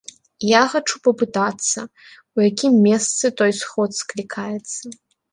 Я хачу папытацца, у якім месцы той сход склікаецца.